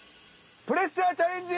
プレッシャーチャレンジ！